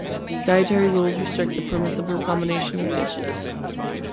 Dietary rules restrict the permissible combination of dishes.